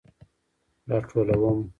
راټولوم